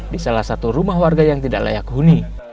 di salah satu rumah warga yang tidak layak huni